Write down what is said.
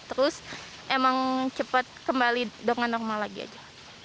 terus emang cepat kembali dengan normal lagi aja